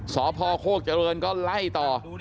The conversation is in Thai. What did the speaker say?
สพโคกเจริญก็ไล่ต่อ